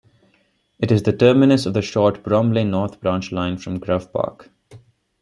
It is the terminus of the short Bromley North Branch Line from Grove Park.